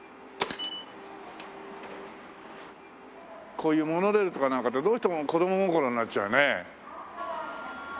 こういうモノレールとかなんかってどうしても子供心になっちゃうね。